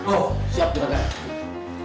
oh siap juragan